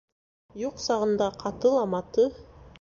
Юҡ сағында ҡаты ла маты.